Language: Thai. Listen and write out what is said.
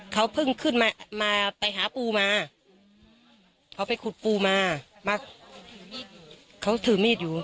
เขาเพิ่งขึ้นมามาไปหาปูมาเขาไปขุดปูมามาเขาถือมีดอยู่